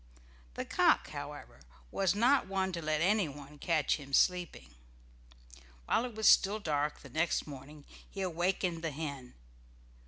The cock, however, was not one to let anyone catch him sleeping. While it was still dark the next morning, he awakened the hen.